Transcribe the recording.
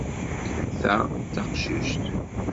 Ta d taqcict.